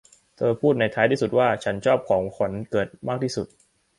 เธอพูดในท้ายที่สุดว่า ฉันชอบของขวัญวันเกิดมากที่สุด